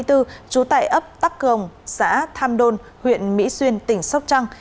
trú tại ấp tắc cường xã tham đôn huyện mỹ xuyên tỉnh sóc trăng